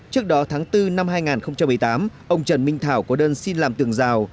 trước đó tháng bốn năm hai nghìn một mươi tám ông trần minh thảo có đơn xin làm tường rào